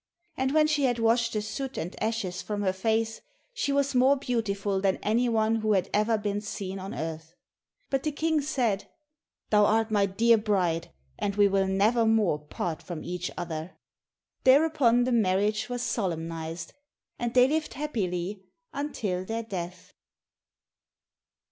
And when she had washed the soot and ashes from her face, she was more beautiful than anyone who had ever been seen on earth. But the King said, "Thou art my dear bride, and we will never more part from each other." Thereupon the marriage was solemnized, and they lived happily until their death.